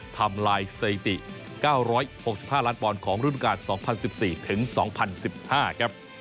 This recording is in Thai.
ทำลายสถิติ๙๖๕ล้านปอลของรุ่นรุ่นการ๒๐๑๔๒๐๑๕ครับ